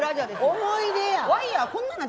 思い出やん！